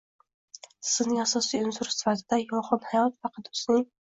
Tizimning asosiy unsuri sifatida “Yolg‘on hayot” faqat o‘zining